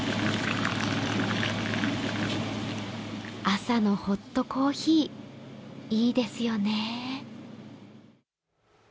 朝のホットコーヒー、いいですよね。